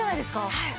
はい。